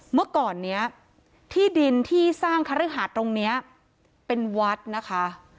เมื่อก่อนนี้ที่ดินที่สร้างคฤหาสตรงนี้เป็นวัดนะคะ